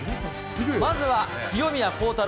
まずは清宮幸太郎。